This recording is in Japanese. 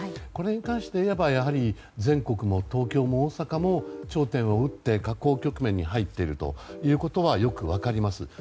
これに関して言えばやはり、全国も東京も大阪も頂点を打って、下降局面になっているということはよく分かります。